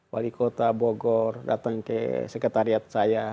wali kota bogor datang ke sekretariat saya